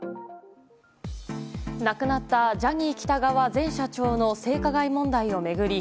亡くなったジャニー喜多川前社長の性加害問題を巡り